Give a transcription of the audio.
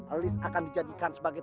elis akan dijadikan sebagai